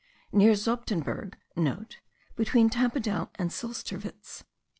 Near Zobtenberg* (* Between Tampadel and Silsterwiz.)